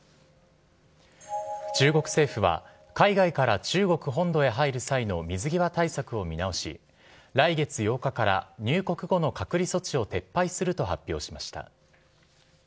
中国政府は、海外から中国本土へ入る際の水際対策を見直し、来月８日から、入国後の隔離措置を撤廃すると発表しました。